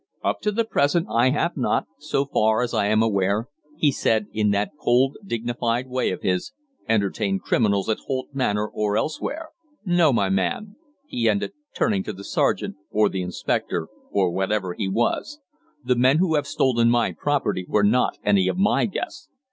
"'Up to the present I have not, so far as I am aware,' he said in that cold, dignified way of his, 'entertained criminals at Holt Manor or elsewhere. No, my man,' he ended, turning to the sergeant, or the inspector, or whatever he was, 'the men who have stolen my property were not any of my guests.